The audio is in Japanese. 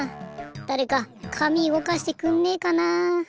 だれか紙うごかしてくんねえかな。